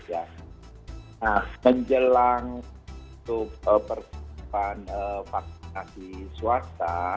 nah menjelang untuk persiapan vaksinasi swasta